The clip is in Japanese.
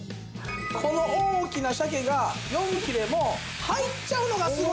この大きな鮭が４切れも入っちゃうのがすごいでしょって。